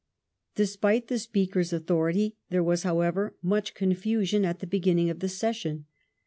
Despite the Speaker's authority there was, however, much confusion at the beginning of the session.